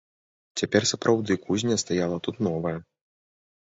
Цяпер сапраўды кузня стаяла тут новая.